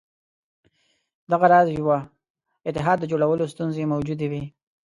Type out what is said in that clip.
دغه راز یوه اتحاد د جوړولو ستونزې موجودې وې.